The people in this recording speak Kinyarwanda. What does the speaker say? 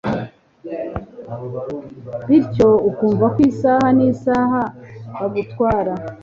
bityo akumva ko isaha n'isaha bagutwara.